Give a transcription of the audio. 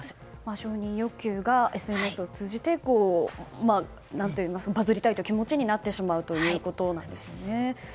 承認欲求がＳＮＳを通じてバズりたいという気持ちになってしまうということですね。